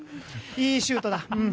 いいシュートだ。